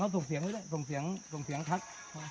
และที่สุดท้ายและที่สุดท้าย